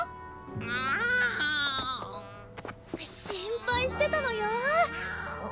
心配してたのよ。